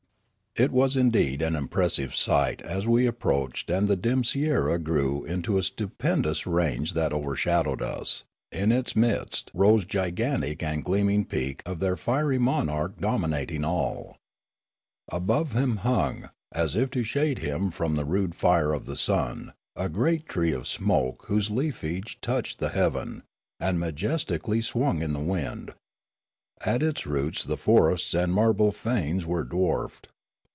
It was indeed an impressive sight as we approached and the dim sierra grew into a stupendous range that overshadowed us ; in its midst rose gigantic the gleam ing peak of their fiery monarch dominating all. Abov^e him hung, as if to shade him from the rude fire of the sun, a great tree of smoke w^hose leafage touched the heaven, and majestically swung in the wind. At its roots the forests and marble fanes were dwarfed.